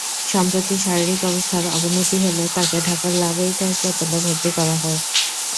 সম্প্রতি শারীরিক অবস্থার অবনতি হলে তাঁকে ঢাকার ল্যাবএইড হাসপাতালে ভর্তি করা হয়।